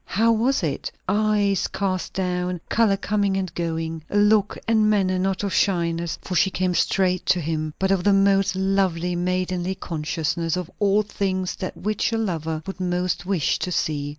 how was it? Eyes cast down, colour coming and going; a look and manner, not of shyness, for she came straight to him, but of the most lovely maidenly consciousness; of all things, that which a lover would most wish to see.